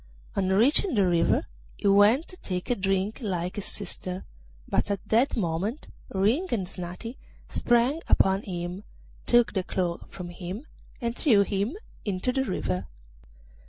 On reaching the river he went to take a drink like his sister, but at that moment Ring and Snati sprang upon him, took the cloak from him, and threw him into the river.